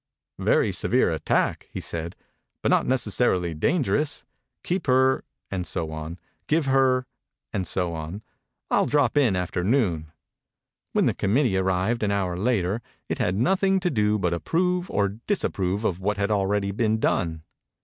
"Very severe attack," he said, « but not necessarily dangerous. Keep her (and so on), give her (and so on). I'll drop in after noon." When the committee arrived an hour later it had nothing to do but approve or disapprove of what had already been done.